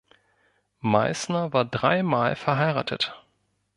Meisner war drei Mal verheiratet.